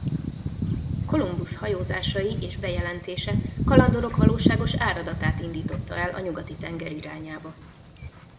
Kolumbusz hajózásai és bejelentése kalandorok valóságos áradatát indította el a nyugati tenger irányába.